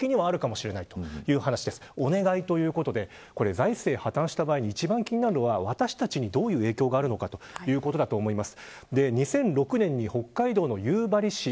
財政が破綻した場合に一番気になるのは私たちに、どういう影響があるのかということだと思います。